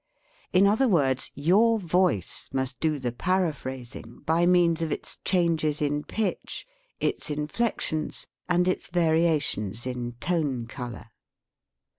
In other words, your voice must do the paraphrasing, 43 THE SPEAKING VOICE 'by means of its changes in pitch, its inflec tions, and its variations in tone color.